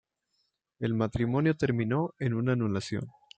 El matrimonio terminó en una anulación.